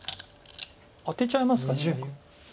アテちゃいますか２目。